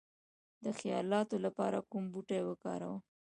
د خیالاتو لپاره کوم بوټي وکاروم؟